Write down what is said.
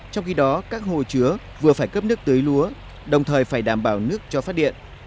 trong khi đó các hồ chứa vừa phải cấp nước tưới lúa đồng thời phải đảm bảo nước cho phát điện